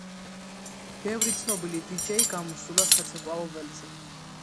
ბევრი ცნობილი დიჯეი გამოსულა საცეკვავო ველზე.